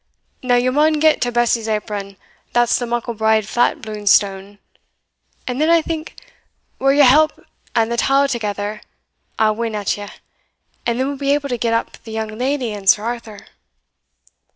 Now ye maun get to Bessy's apron, that's the muckle braid flat blue stane and then, I think, wi' your help and the tow thegither, I'll win at ye, and then we'll be able to get up the young leddy and Sir Arthur."